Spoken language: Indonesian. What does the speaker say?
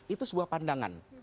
itu sebuah pandangan